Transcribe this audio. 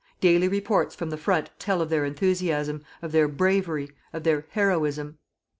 Daily reports from the front tell of their enthusiasm, of their bravery, of their heroism!